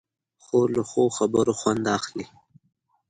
خور له ښو خبرو خوند اخلي.